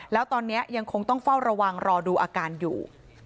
แล้วตอนนี้ยังคงต้องเฝ้าระวังรอดูอาการอยู่